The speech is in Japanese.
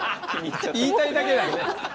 言いたいだけだよね。